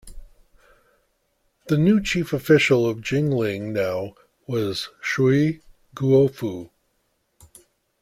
The new Chief Official of Jingling now was Cui Guofu.